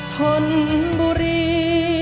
ทนบุรี